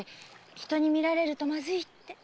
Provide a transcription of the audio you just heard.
人に見られるとまずいって。